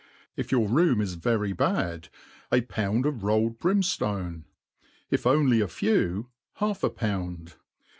If your room is very bad, a pound of rolled brimftone; if only a few, half a pound.